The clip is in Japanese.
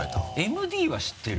ＭＤは知ってる？